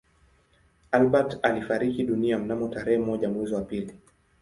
Albert alifariki dunia mnamo tarehe moja mwezi wa pili